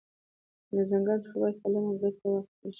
له ځنګل ځخه باید سالمه ګټه واخیستل شي